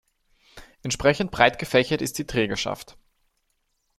Entsprechend breit gefächert ist die Trägerschaft.